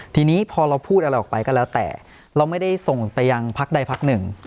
ทีนี้พอเราพูดอะไรออกไปก็แล้วแต่เราไม่ได้ส่งไปยังพักใดพักหนึ่ง